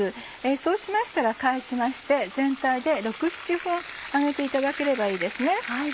そうしましたら返しまして全体で６７分揚げていただければいいですね。